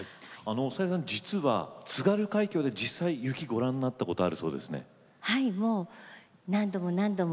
さゆりさん、実は実際に津軽海峡で雪をご覧になったことがあるそうですね。